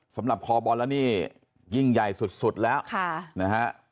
สำหรับคอบอลแล้วนี่ยิ่งใหญ่สุดแล้วค่ะนะฮะ